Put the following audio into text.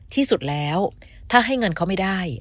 ที่สุดแล้วถ้าให้เงินเขาไม่ได้